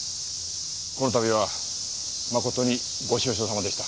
この度は誠にご愁傷さまでした。